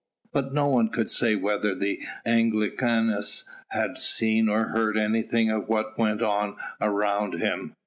But no one could say whether the Anglicanus had seen or heard anything of what went on around him.